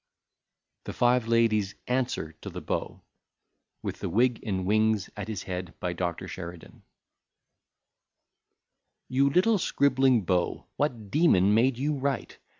_] THE FIVE LADIES' ANSWER TO THE BEAU WITH THE WIG AND WINGS AT HIS HEAD BY DR. SHERIDAN You little scribbling beau, What demon made you write?